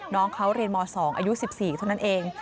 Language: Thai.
น้องเขาเรียนม๒อายุ๑๔เท่านั้นเอง